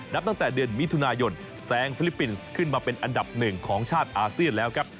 นับตั้งแต่เดือนมิถุนายนแซงฟิลิปปินส์ขึ้นมาเป็นอันดับหนึ่งของชาติอาเซียนแล้วครับ